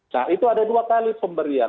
nah itu ada dua kali pemberian